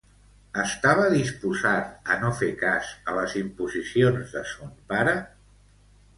Estava disposat a no fer cas a les imposicions de son pare?